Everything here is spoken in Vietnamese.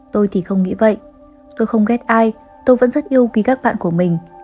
tôi thì không nghĩ vậy tôi không ghép ai tôi vẫn rất yêu quý các bạn của mình